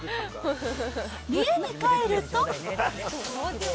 家に帰ると。